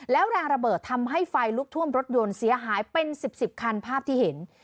แล้วแรงระเบิดทำให้ไฟลุกท่วมรถยนต์เสียหายเป็น๑๐คันภาพที่เห็น